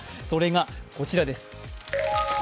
それがこちらです。